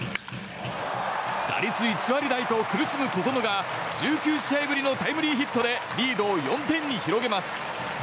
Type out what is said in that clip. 打率１割台と苦しむ小園が１９試合ぶりのタイムリーヒットでリードを４点に広げます。